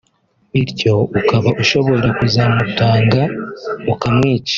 bityo ukaba ushobora kuzamutanga ukamwica